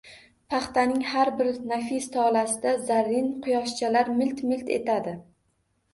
Paxtaning har bir nafis tolasida zarrin quyoshchalar milt-milt etadi.